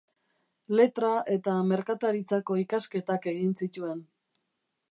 Letra eta Merkataritzako ikasketak egin zituen.